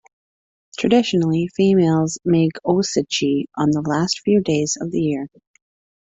Traditionally, families make osechi on the last few days of the year.